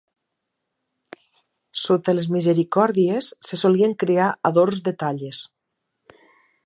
Sota les misericòrdies se solien crear adorns de talles.